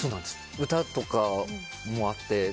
歌とかもあって。